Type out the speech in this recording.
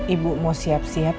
ibu mau siap siap